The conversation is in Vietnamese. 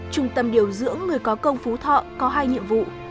trung tâm điều dưỡng người có công phú thọ có hai nhiệm vụ